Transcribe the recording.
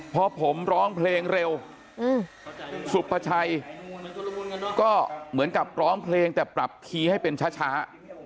พอผมร้องเพลงเร็วสุภาชัยก็เหมือนกับร้องเพลงแต่ปรับคีย์ให้เป็นช้า